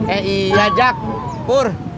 eh iya jak pur